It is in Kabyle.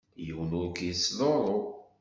Yiwen ur k-yettḍurru.